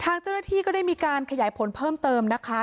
ทางเจ้าหน้าที่ก็ได้มีการขยายผลเพิ่มเติมนะคะ